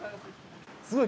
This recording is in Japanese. すごい！